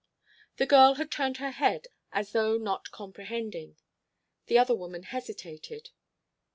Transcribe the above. The girl had turned her head as though not comprehending. The other woman hesitated.